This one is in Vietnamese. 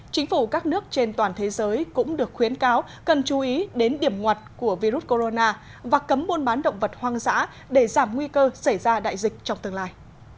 chính phủ các nước trên toàn thế giới cũng được khuyến cáo cần chú ý đến điểm ngoặt của virus corona và cấm buôn bán động vật hoang dã để giảm nguy cơ xảy ra đại dịch trong tương lai